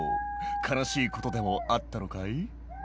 「悲しいことでもあったのかい？」